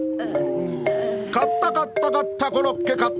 買った買った買ったコロッケ買った。